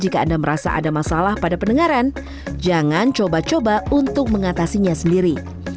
jika anda merasa ada masalah pada pendengaran jangan coba coba untuk mengatasinya sendiri